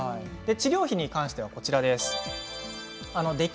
治療費に関してはこちらです。